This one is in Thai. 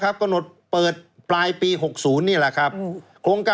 กขนมเปิดปลายปี๋นี่แหละครับ